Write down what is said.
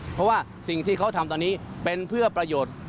เพราะว่าสิ่งที่เขาทำตอนนี้เป็นเพื่อประโยชน์